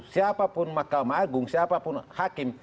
siapapun mahkamah agung siapapun hakim